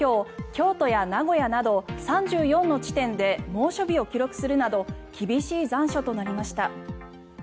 京都や名古屋など３４の地点で猛暑日を記録するなど厳しい残暑となりました。